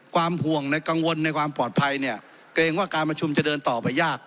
ความห่วงในกังวลในความปลอดภัยเนี่ยเกรงว่าการประชุมจะเดินต่อไปยาก